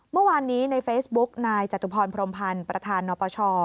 เมื่อวานนี้ในเฟซบุ๊กนายจตุพรพรมพันธ์ประธานนปช